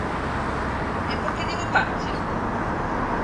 ¿E por que digo parche?